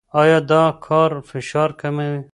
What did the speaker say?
ایا دا کار فشار کموي؟